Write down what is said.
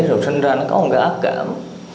rồi sinh ra nó có một cái ác cảm